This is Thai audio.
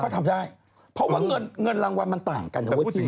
เขาทำได้เพราะว่าเงินรางวัลมันต่างกันนะว่ะพี่